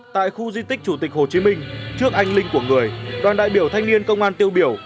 tại khu di tích chủ tịch hồ chí minh trước anh linh của người đoàn đại biểu thanh niên công an tiêu biểu